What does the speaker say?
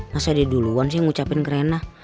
masa dia duluan sih ngucapin ke reina